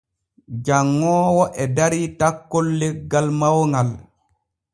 Janŋoowo e darii takkol leggal mawŋal.